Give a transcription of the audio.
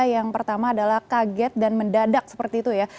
yang pertama adalah kaget dan mendadak seperti itu ya